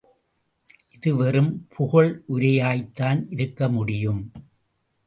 இது வெறும் புகழுரையாய்த்தான் இருக்க முடியும்.